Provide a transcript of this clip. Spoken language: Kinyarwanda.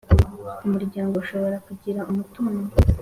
Umuryango ushobora kugira umutungo